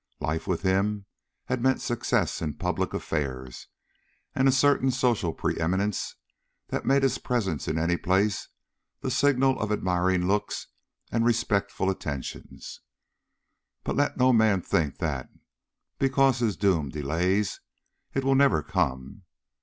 Life with him had meant success in public affairs, and a certain social pre eminence that made his presence in any place the signal of admiring looks and respectful attentions. But let no man think that, because his doom delays, it will never come.